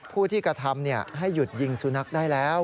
ผู้ที่กระทำให้หยุดยิงสุนัขได้แล้ว